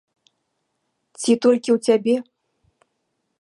Ці толькі ў цябе?